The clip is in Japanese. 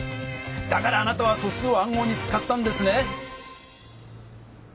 だからあなたは素数を暗号に使ったんですね！